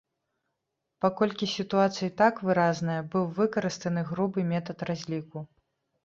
Паколькі сітуацыя і так выразная, быў выкарыстаны грубы метад разліку.